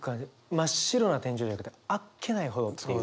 「真っ白な天井」じゃなくて「あっけないほど」っていう。